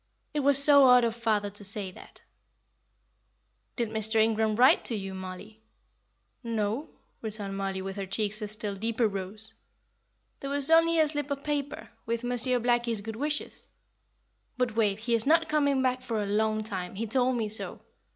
It was so odd of father to say that." "Did Mr. Ingram write to you, Mollie?" "No," returned Mollie, with her cheeks a still deeper rose. "There was only a slip of paper, with Monsieur Blackie's good wishes. But Wave, he is not coming back for a long time he told me so.